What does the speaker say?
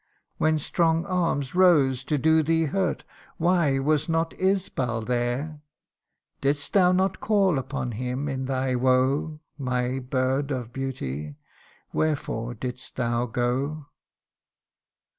When strong arms rose to do thee hurt, Why was not Isbal there ? Didst thou not call upon him in thy woe ? My bird of beauty ! wherefore didst thou go